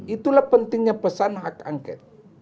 itulah pentingnya pesan hak angket